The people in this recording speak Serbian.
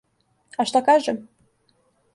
А шта каже?